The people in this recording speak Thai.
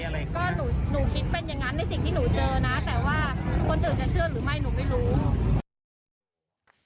ก็หนูคิดเป็นอย่างนั้นในสิ่งที่หนูเจอนะแต่ว่าคนอื่นจะเชื่อหรือไม่หนูไม่รู้